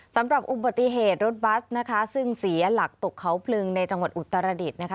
สำหรับอุบัติเหตุรถบัสนะคะซึ่งเสียหลักตกเขาพลึงในจังหวัดอุตรดิษฐ์นะคะ